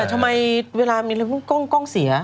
แต่ทำไมเวลามีเรื่องกล้องเสีย